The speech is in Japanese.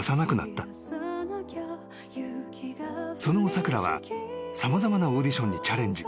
［その後さくらは様々なオーディションにチャレンジ］